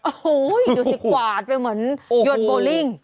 โอ้โหดูสิกวาดไปเหมือนโยนโบลิ่ง